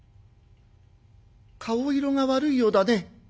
顔色が悪いようだね。